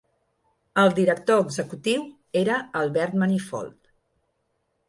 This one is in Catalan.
El Director Executiu era Albert Manifold.